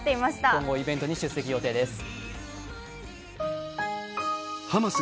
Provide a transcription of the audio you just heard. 今後イベントに出席予定です。